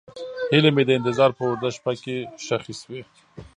هیلې مې د انتظار په اوږده شپه کې ښخې شوې.